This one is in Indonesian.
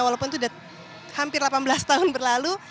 walaupun itu sudah hampir delapan belas tahun berlalu